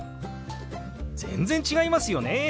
全然違いますよね！